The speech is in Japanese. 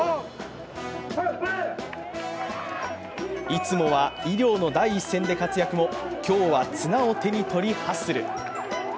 いつもは医療の第一線で活躍も、今日は綱を手に取り、ハッスル。